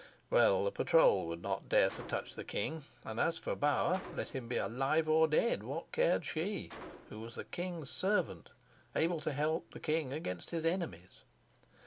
Well, the patrol would not dare to touch the king; as for Bauer, let him be alive or dead: what cared she, who was the king's servant, able to help the king against his enemies?